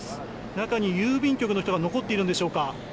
中に郵便局の人が残っているのでしょうか。